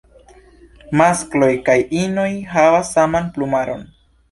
Maskloj kaj inoj havas saman plumaron.